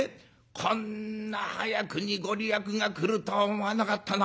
こんな早くに御利益が来るとは思わなかったな。